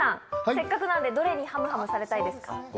せっかくなんでどれにハムハムされたいですか？